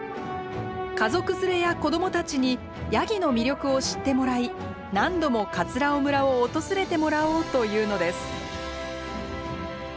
家族連れや子どもたちにヤギの魅力を知ってもらい何度も尾村を訪れてもらおうというのです。